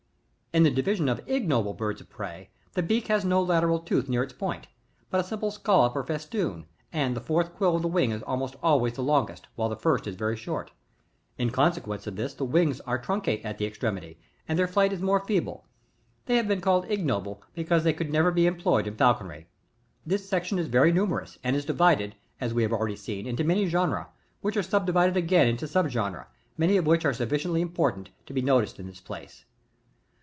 37. In the Division of Ignoble Birds of Pret, the beak has no lateral tooth near its point, but a simple scallop or festoon, and the fourth quill of the wing is almost always the longest, while the first is very short ; in consequence of this the wings are truncate at the extremity, and their flight is more feeble. They have been called ignoble because they could never be employed in falconry. 38 This section is very numerous, and is divided, as we have already seen, into many genera, which are sub divided again into sub genera, many of which are sufficiently important to be noticed in this place.